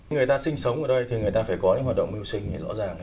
người ta sinh sống ở đây thì người ta phải có những hoạt động mưu sinh rõ ràng